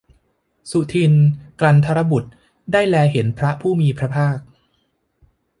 สุทินน์ กลันทบุตรได้แลเห็นพระผู้มีพระภาค